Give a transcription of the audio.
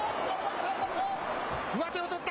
上手を取った。